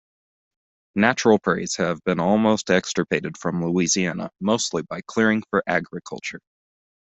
Natural prairies have been almost extirpated from Louisiana, mostly by clearing for agriculture.